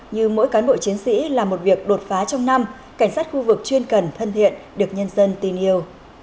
như mỗi cán bộ chiến sĩ là một việc đột phá trong năm cảnh sát khu vực chuyên cần thân thiện được nhân dân tin yêu